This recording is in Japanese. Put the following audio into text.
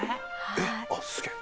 えっあっすげえ。